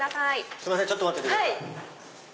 すいませんちょっと待っててください。